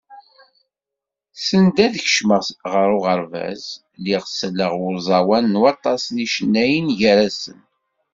Send ad kecmeɣ ɣer uɣerbaz, lliɣ selleɣ i uẓawan n waṭas n yicennayen, gar-asen.